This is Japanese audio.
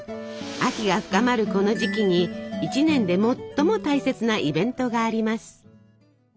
秋が深まるこの時期に一年で最も大切なイベントがあります。